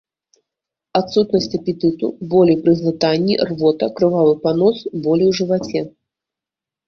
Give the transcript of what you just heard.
Адсутнасць апетыту, болі пры глытанні, рвота, крывавы панос, болі ў жываце.